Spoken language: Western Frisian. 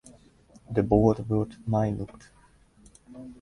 De boat wurdt meilûkt.